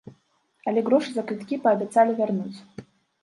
Але грошы за квіткі паабяцалі вярнуць.